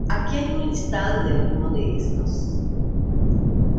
Aquí hay un listado de algunos de estos.